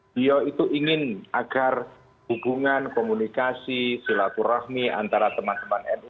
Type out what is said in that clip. dia itu ingin agar hubungan komunikasi silapur rahmi antara teman teman nu